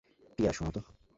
প্রিয়া শোনো তো।